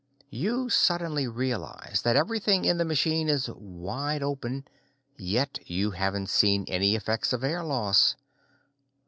You suddenly realize that everything in the machine is wide open, yet you haven't seen any effects of air loss.